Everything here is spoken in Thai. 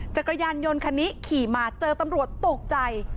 จักรยานยนต์คันนี้ขี่มาเจอตำรวจตกใจ